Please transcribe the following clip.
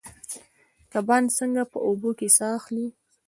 کبان څنګه په اوبو کې ساه اخلي؟